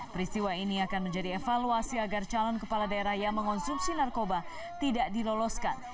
peristiwa ini akan menjadi evaluasi agar calon kepala daerah yang mengonsumsi narkoba tidak diloloskan